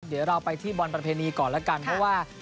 เดี๋ยวเราไปที่บอลประเพณีก่อนแล้วกันเพราะว่า